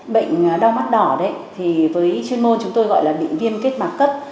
bệnh đá mắt đỏ với chuyên môn chúng tôi gọi là bệnh viêm kết mạc cấp